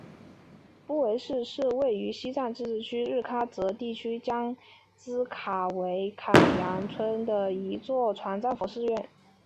布堆寺是位于西藏自治区日喀则地区江孜县卡堆乡凯扬村的一座藏传佛教寺院。